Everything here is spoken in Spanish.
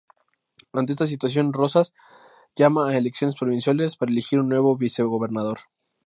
Ante esta situación, Rozas llama a elecciones provinciales para elegir un nuevo vicegobernador.